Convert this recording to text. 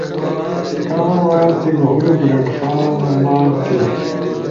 کامن وائس ایک ہورو پلیٹ فارم لانچ تھی،